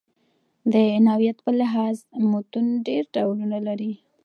د نوعیت په لحاظ متون ډېر ډولونه لري.